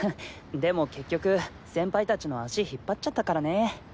でも結局先輩達の足引っ張っちゃったからね。